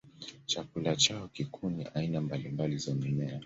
Chakula chao kikuu ni aina mbalimbali za mimea.